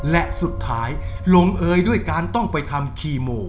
และสุดท้ายลงเอยด้วยการต้องไปทำคีโม